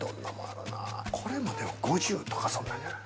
これも、でも５０とかそんなんじゃない？